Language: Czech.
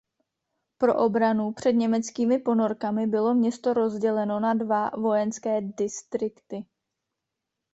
Pro obranu před německými ponorkami bylo město rozděleno na dva vojenské distrikty.